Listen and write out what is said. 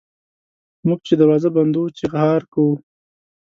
موږ چي دروازه بندوو چیغهار کوي.